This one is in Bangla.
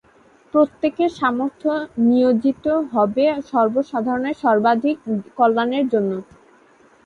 প্রত্যেকের সামর্থ্য নিয়োজিত হবে সর্বসাধারণের সর্বাধিক কল্যাণের জন্য'।